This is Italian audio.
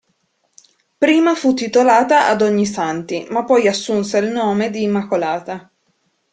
Prima fu titolata ad Ognissanti, ma poi assunse il nome di Immacolata.